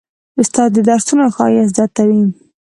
استاد د درسونو ښایست زیاتوي.